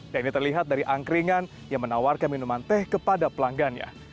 dan ini terlihat dari angkringan yang menawarkan minuman teh kepada pelanggannya